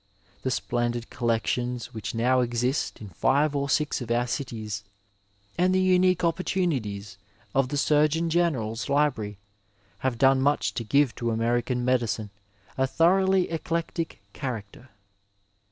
The splendid collections which now exist in five or six of our cities and the unique opportunities of the Surgeon General's Library have done much to give to American medicine a thoroughly eclectic character.